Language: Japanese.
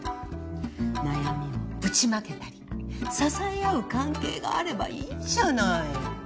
悩みをぶちまけたり支え合う関係があればいいじゃない。